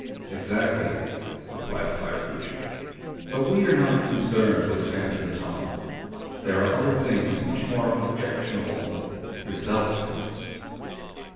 "Exactly," replied the fire creature. "But we are not concerned with sand in the tunnel. There are other things much more objectionable yourselves, for instance."